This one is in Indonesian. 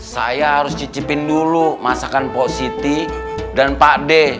saya harus cicipin dulu masakan positi dan pade